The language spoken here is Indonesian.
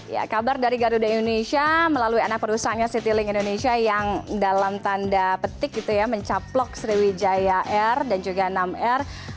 ya kabar dari garuda indonesia melalui anak perusahaannya citilink indonesia yang dalam tanda petik mencaplok sriwijaya air dan juga nam air